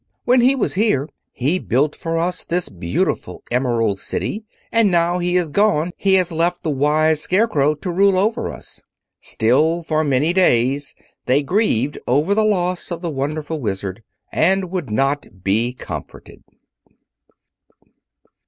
When he was here he built for us this beautiful Emerald City, and now he is gone he has left the Wise Scarecrow to rule over us." Still, for many days they grieved over the loss of the Wonderful Wizard, and would not be comforted.